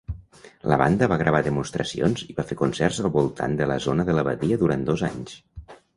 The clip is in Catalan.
La banda va gravar demostracions i va fer concerts al voltant de la zona de la badia durant dos anys.